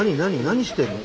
何してんの？